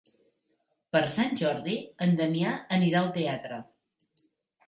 Per Sant Jordi en Damià anirà al teatre.